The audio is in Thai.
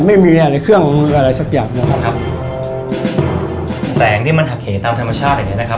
ไม่มีอะไรเครื่องมีอะไรสักอย่างนะครับแสงนี่มันหักเหตามธรรมชาติเห็นไหมนะครับ